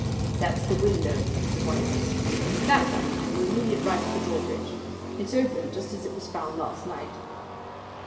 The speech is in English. "That's the window," said White Mason, "that one on the immediate right of the drawbridge. It's open just as it was found last night."